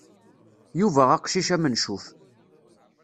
Yuba aqcic amencuf.